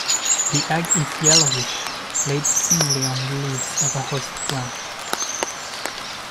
The egg is yellowish, laid singly on the leaves of a host plant.